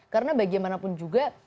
karena bagaimanapun juga